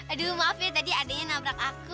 aduh maaf ya tadi adanya nabrak aku